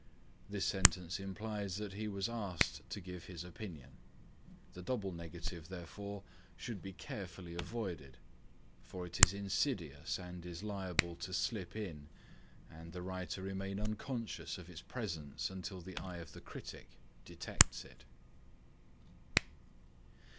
This sentence implies that he was asked to give his opinion. The double negative, therefore, should be carefully avoided, for it is insidious and is liable to slip in and the writer remain unconscious of its presence until the eye of the critic detects it.